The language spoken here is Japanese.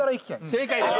正解です。